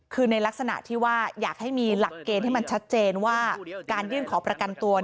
คือในลักษณะที่ว่าอยากให้มีหลักเกณฑ์ให้มันชัดเจนว่าการยื่นขอประกันตัว